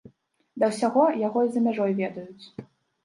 Да ўсяго, яго і за мяжой ведаюць.